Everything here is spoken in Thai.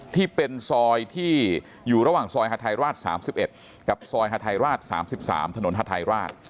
ที่เป็นซอยที่อยู่ระหว่างซอยฮาทายราช๓๑กับซอยฮาทายราช๓๓ถนนฮาทายราช